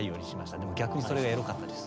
でも逆にそれがエロかったです。